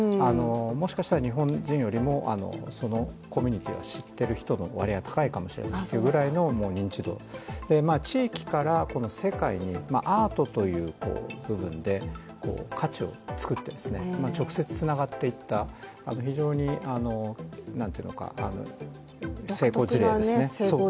もしかしたら日本人よりもコミュニティーを知っている人の方が高いんじゃないかという認知度、地域から世界にアートという部分で価値を作って、直接つながっていった非常に成功事例ですね。